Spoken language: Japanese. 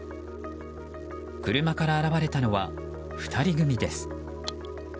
車から現れたのは２人組です。